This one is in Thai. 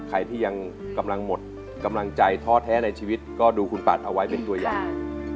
ใครที่ยังกำลังหมดกำลังใจท้อแท้ในชีวิตก็ดูคุณปัดเอาไว้เป็นตัวอย่าง